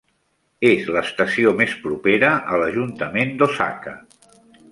És l'estació més propera a l'Ajuntament d'Osaka.